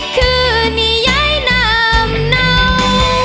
คือในย้ายน้ำเนา